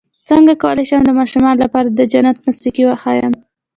څنګه کولی شم د ماشومانو لپاره د جنت موسيقي وښایم